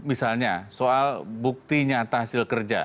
misalnya soal bukti nyata hasil kerja